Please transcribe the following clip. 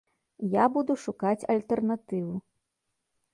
Я буду шукаць альтэрнатыву.